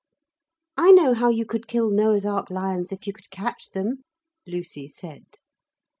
'I know how you could kill Noah's Ark lions if you could catch them,' Lucy said.